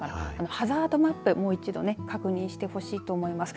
ハザードマップ、もう一度、確認してほしいと思います。